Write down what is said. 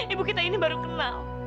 ibu kita ini baru kenal